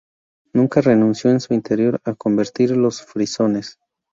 Nunca renunció, en su interior, a convertir a los frisones.